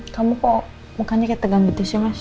kamu kok mukanya kayak tegang gitu sih mas